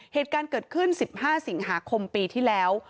เหตุการณ์เกิดขึ้น๑๕สิงหาคมปีที่แล้ว